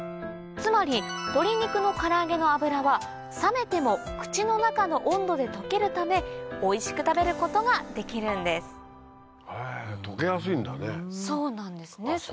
つまり鶏肉のから揚げの脂は冷めても口の中の温度で溶けるためおいしく食べることができるんですへぇ溶けやすいんだね？